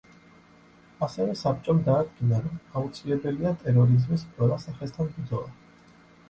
ასევე საბჭომ დაადგინა, რომ აუცილებელია ტერორიზმის ყველა სახესთან ბრძოლა.